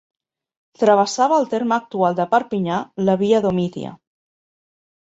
Travessava el terme actual de Perpinyà la Via Domitia.